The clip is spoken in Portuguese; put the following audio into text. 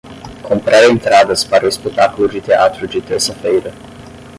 Comprar entradas para o espetáculo de teatro de terça-feira